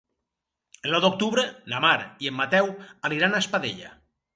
El nou d'octubre na Mar i en Mateu aniran a Espadella.